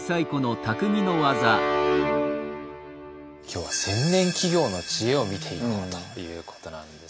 今日は千年企業の知恵を見ていこうということなんですね。